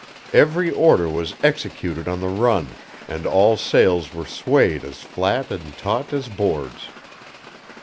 Every order was executed on the run, and all sails were swayed as flat and taut as boards.